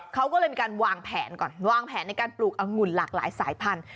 เขาก็เลยมีการวางแผนก่อนวางแผนในการปลูกอังุ่นหลากหลายสายพันธุ